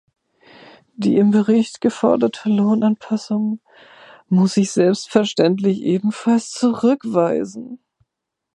Die im Bericht geforderte Lohnanpassungen muss ich selbstverständlich ebenfalls zurückweisen.